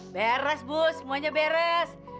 beres bu semuanya beres